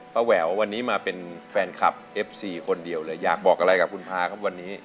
แหวววันนี้มาเป็นแฟนคลับเอฟซีคนเดียวเลยอยากบอกอะไรกับคุณพาครับวันนี้